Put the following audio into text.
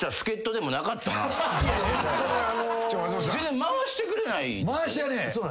全然回してくれない。